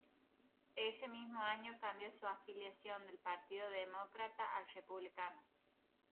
Ese mismo año, cambió su afiliación del Partido Demócrata al Republicano.